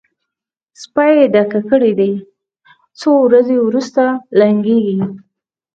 سپۍ یې ډکه کړې ده؛ څو ورځې روسته لنګېږي.